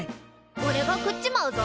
おれが食っちまうぞ？